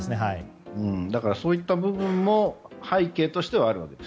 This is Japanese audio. だから、そういった部分も背景としてはあるわけです。